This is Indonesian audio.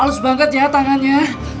alus banget ya tangannya